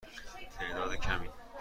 تعداد کمی.